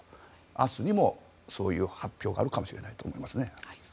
明日にもそういう発表があるかもしれないと思いますね。